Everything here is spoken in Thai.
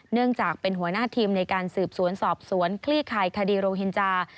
เนื่องจากเป็นหัวหน้าทีมในการสืบสวนสอบสวนคลี่คายคดีโรฮินจา